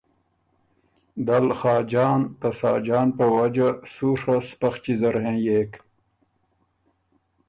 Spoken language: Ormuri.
دل خاجان ته ساجان په وجه سُوڒه سپخچی زر هېنئېک